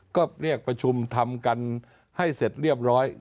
ก็เรียกประชุมทำกันให้เสร็จเรียบร้อย